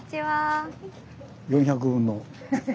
４００分の。